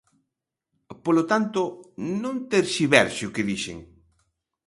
Polo tanto, non terxiverse o que dixen.